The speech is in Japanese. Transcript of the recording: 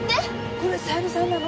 これ小百合さんなの？